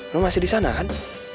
lo masih di sana kan